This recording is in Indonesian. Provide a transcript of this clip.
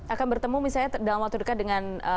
akan bertemu misalnya dalam waktu dekat dengan